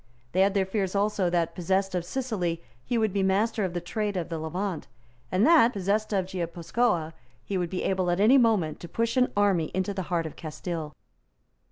They had their fears also that, possessed of Sicily, he would be master of the trade of the Levant; and that, possessed of Guipuscoa, he would be able at any moment to push an army into the heart of Castile.